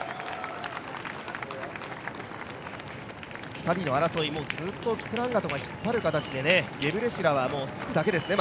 ２人の争い、ずっとキプランガトが引っ張るような形でゲブレシラセはもうつくだけですね。